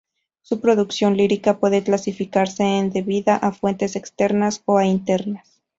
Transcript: Su producción lírica puede clasificarse en debida a fuentes externas o a internas.